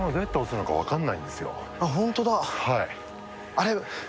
あれ。